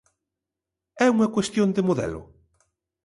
É unha cuestión de modelo?